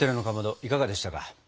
いかがでしたか？